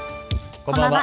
こんばんは。